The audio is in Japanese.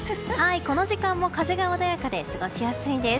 この時間も風が穏やかで過ごしやすいです。